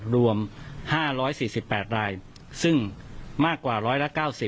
รวม๕๔๘รายซึ่งมากกว่าร้อยละ๙๐